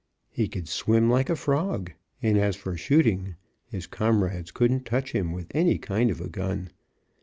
He could swim like a frog, and, as for shooting, his comrades couldn't touch him with any kind of a gun.